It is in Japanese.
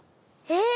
え？